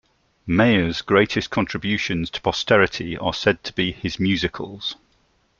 Mayer's greatest contributions to posterity are said to be his musicals.